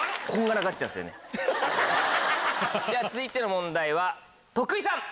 じゃあ続いての問題は徳井さん。